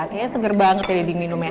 kayaknya seger banget ya di minumnya